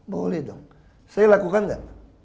boleh dong saya lakukan gak